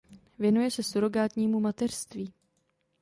Věnuje se surrogátnímu mateřství.